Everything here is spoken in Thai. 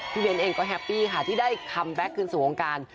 เบ้นเองก็แฮปปี้ค่ะที่ได้คัมแบ็คคืนสู่วงการ